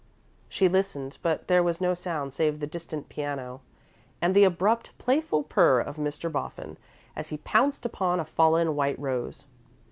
She listened, but there was no sound save the distant piano, and the abrupt, playful purr of Mr. Boffin, as he pounced upon a fallen white rose.